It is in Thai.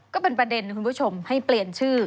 ก็เป็นประเด็นคุณผู้ชมให้เปลี่ยนชื่อ